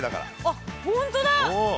あっ本当だ。